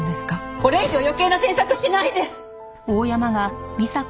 これ以上余計な詮索しないで！